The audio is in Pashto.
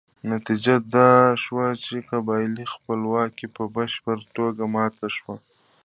نتیجه دا شوه چې قبایلي خپلواکي په بشپړه توګه ماته شوه.